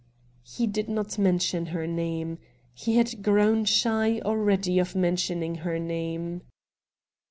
He did not mention her name. He had grown shy already of mentioning her name.